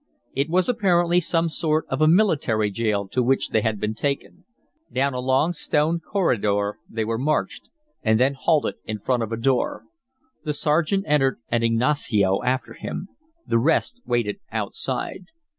It was apparently some sort of a military jail to which they had been taken. Down a long stone corridor they were marched, and then halted in front of a door. The sergeant entered, and Ignacio after him. The rest waited outside.